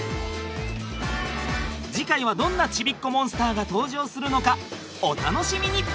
次回はどんなちびっこモンスターが登場するのかお楽しみに！